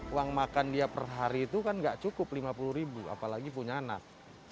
uang makan dia per hari itu kan gak cukup lima puluh ribu apalagi punya anak